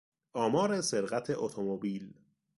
آمار سرقت اتومبیل